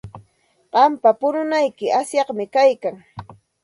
Qampa pununayki asyaqmi kaykan.